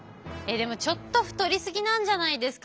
でもちょっと太り過ぎなんじゃないですか？